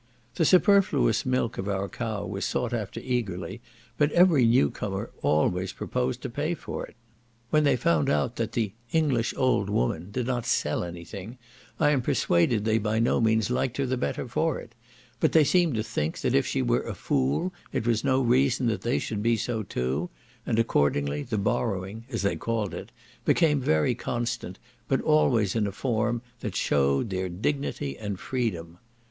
The superfluous milk of our cow was sought after eagerly, but every new comer always proposed to pay for it. When they found out that "the English old woman" did not sell anything, I am persuaded they by no means liked her the better for it; but they seemed to think, that if she were a fool it was no reason they should be so too, and accordingly the borrowing, as they called it, became very constant, but always in a form that shewed their dignity and freedom.